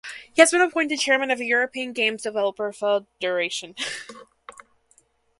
He has been appointed Chairman of the European Games Developer Federation.